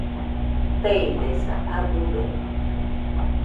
Teidesa, abɨ beno